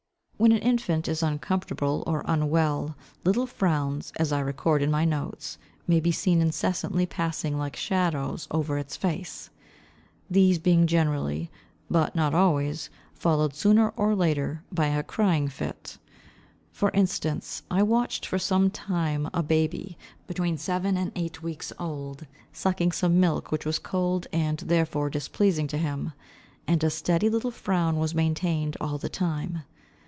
When an infant is uncomfortable or unwell, little frowns—as I record in my notes—may be seen incessantly passing like shadows over its face; these being generally, but not always, followed sooner or later by a crying fit. For instance, I watched for some time a baby, between seven and eight weeks old, sucking some milk which was cold, and therefore displeasing to him; and a steady little frown was maintained all the time.